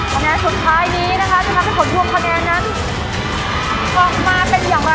คะแนนสุดท้ายนี้นะคะจะทำให้ผลรวมคะแนนนั้นออกมาเป็นอย่างไร